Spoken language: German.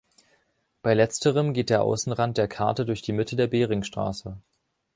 Bei letzterem geht der Außenrand der Karte durch die Mitte der Beringstraße.